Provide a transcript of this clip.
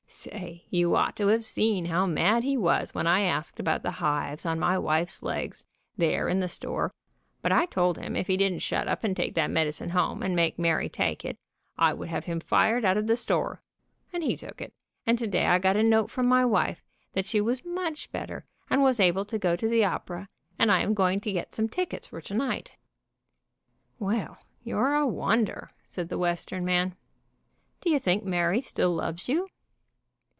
Say, you ought to have seen how mad he was when I asked about the hives on my wife's legs, there in the store, but I told him if he didn't shut up and take that medicine home, and make Mary take it, I would have him fired out of the store, and he took it, and today I got a note from my wife that she was much better, and was able to go to the opera, and I am going to get some tickets for to night." "Well, you're a wonder," said the Western man. "Do you think Mary still loves you?"